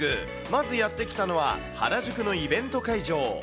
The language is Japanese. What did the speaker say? まずやって来たのは、原宿のイベント会場。